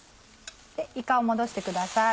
いかを戻してください。